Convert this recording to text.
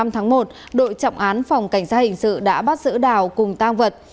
năm tháng một đội trọng án phòng cảnh sát hình sự đã bắt giữ đào cùng tang vật